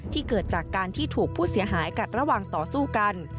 เกิดจากการที่ถูกผู้เสียหายกัดระหว่างต่อสู้กัน